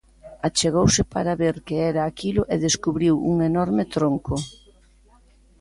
Achegouse para ver que era aquilo e descubriu un enorme tronco.